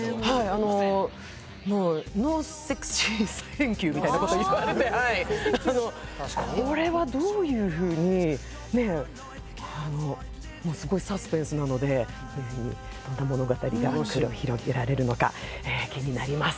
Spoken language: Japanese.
あのもう「ノーセクシーサンキュー」みたいなこと言われてはいあのこれはどういうふうにねえあのすごいサスペンスなのでどんな物語が繰り広げられるのか気になります